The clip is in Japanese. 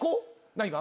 何が？